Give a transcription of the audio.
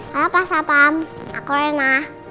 halo pak sapam aku lengah